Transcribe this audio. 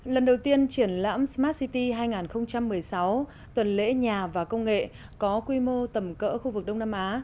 lần đầu tiên triển lãm smart city hai nghìn một mươi sáu tuần lễ nhà và công nghệ có quy mô tầm cỡ khu vực đông nam á